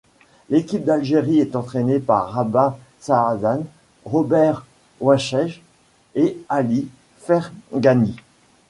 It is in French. L'équipe d'Algérie est entraînée par Rabah Saadane, Robert Waseige et Ali Fergani.